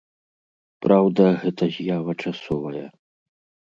Праўда, гэта з'ява часовая.